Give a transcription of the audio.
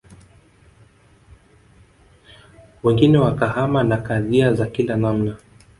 Wengine wakahama na kadhia za kila namna